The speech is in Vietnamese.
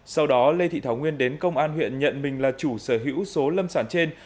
sau đó lê thị thảo nguyên đến công an huyện nhận mình là chủ sở hữu số lâm sản trên